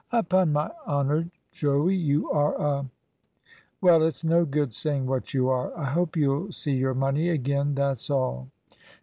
"Upon my honour, Joey, you are a Well, it's no good saying what you are. I hope you'll see your money again, that's all."